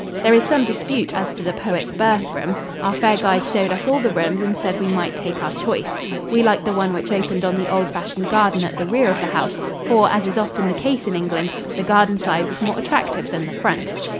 There is some dispute as to the poet's birthroom. Our fair guide showed us all the rooms and said we might take our choice. We liked the one which opened on the old fashioned garden at the rear of the house, for as is often the case in England, the garden side was more attractive than the front.